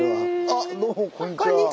あっどうもこんにちは。